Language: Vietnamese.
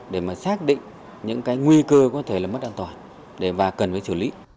để mà xác định những cái nguy cơ có thể là mất an toàn và cần phải xử lý